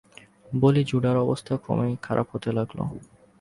বলি-জুডার অবস্থা ক্রমেই খারাপ হতে লাগল।